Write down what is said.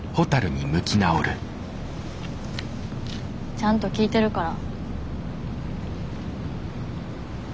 ちゃんと聞いてるから。